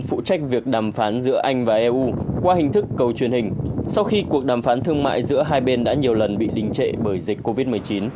phụ trách việc đàm phán giữa anh và eu qua hình thức cầu truyền hình sau khi cuộc đàm phán thương mại giữa hai bên đã nhiều lần bị đình trệ bởi dịch covid một mươi chín